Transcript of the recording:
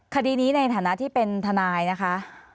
คดีนี้ในฐานะที่เป็นทนายนะคะ